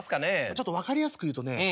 ちょっと分かりやすく言うとね